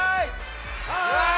はい！